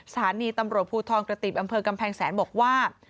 สถานีตำรวจภูทรกระติบอำเภอกำแพงแสนบอกว่า